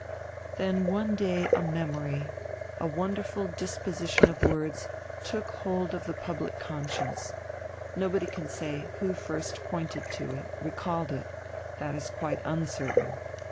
Then one day a memory, a wonderful disposition of words, took hold of the public conscience; nobody can say who first pointed to it, recalled it that is quite uncertain.